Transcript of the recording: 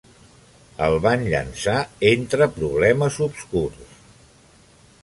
El van llançar entre problemes obscurs.